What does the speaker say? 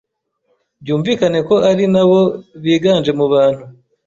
byumvikane ko ari na bo biganje mu bantu